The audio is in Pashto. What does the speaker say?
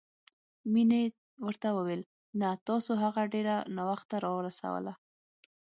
مينې ورته وويل نه، تاسو هغه ډېره ناوخته راورسوله.